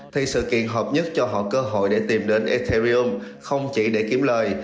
thì sự kiện hợp nhất cho họ cơ hội để tìm đến etherion không chỉ để kiếm lời